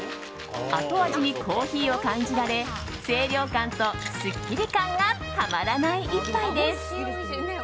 後味にコーヒーを感じられ清涼感とすっきり感がたまらない１杯です。